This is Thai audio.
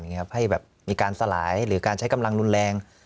ให้แบบมีการสลายหรือการใช้กำลังรุนแรง